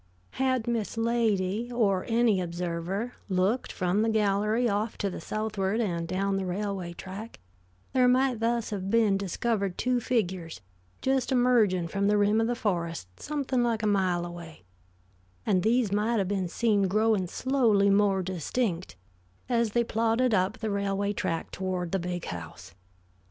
Had Miss Lady, or any observer, looked from the gallery off to the southward and down the railway track, there might thus have been discovered two figures just emerging from the rim of the forest something like a mile away; and these might have been seen growing slowly more distinct, as they plodded up the railway track toward the Big House.